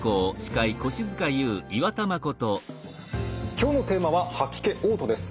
今日のテーマは「吐き気・おう吐」です。